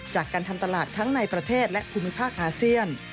จากการทำตลาดทั้งในประเทศและภูมิภาคอาเซียน